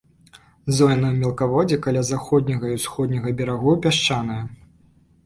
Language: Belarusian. Зона мелкаводдзя каля заходняга і ўсходняга берагоў пясчаная.